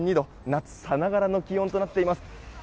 夏さながらの気温となっています。